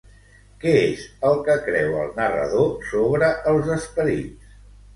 Què és el que creu el narrador sobre els esperits?